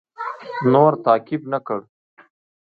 نور تعقیب نه کړ.